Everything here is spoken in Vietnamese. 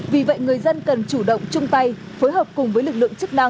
vì vậy người dân cần chủ động chung tay phối hợp cùng với lực lượng chức năng